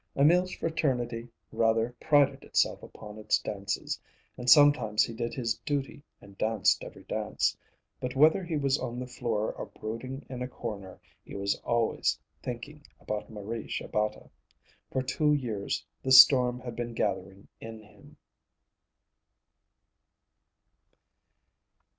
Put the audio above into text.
Emil's fraternity rather prided itself upon its dances, and sometimes he did his duty and danced every dance. But whether he was on the floor or brooding in a corner, he was always thinking about Marie Shabata. For two years the storm had been gathering in him.